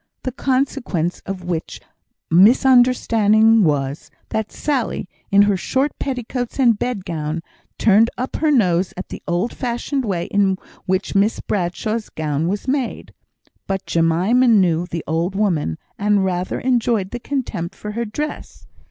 The consequence of which misunderstanding was, that Sally, in her short petticoats and bedgown, turned up her nose at the old fashioned way in which Miss Bradshaw's gown was made. But Jemima knew the old woman, and rather enjoyed the contempt for her dress.